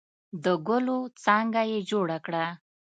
د ګلو څانګه یې جوړه کړه.